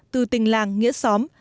từ tình làng nghĩa xóm